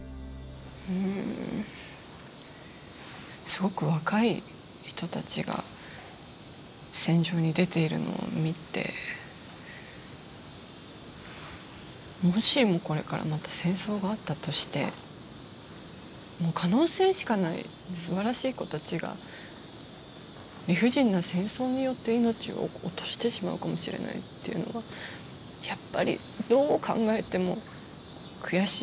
すごく若い人たちが戦場に出ているのを見てもしもこれからまた戦争があったとしてもう可能性しかないすばらしい子たちが理不尽な戦争によって命を落としてしまうかもしれないっていうのはやっぱりどう考えても悔しいことだなって思いますね。